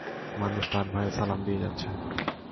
মানুষ তার ভয়ে সালাম দিয়ে যাচ্ছে!